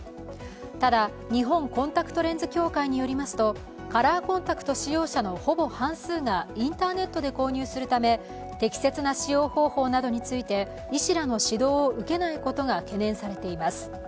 ただ、日本コンタクトレンズ協会によりますとカラーコンタクト使用者のほぼ半数がインターネットで購入するため適切な使用方法などについて医師らの指導を受けないことが懸念されています。